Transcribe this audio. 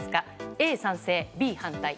Ａ、賛成、Ｂ、反対。